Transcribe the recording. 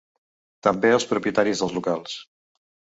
També els propietaris dels locals.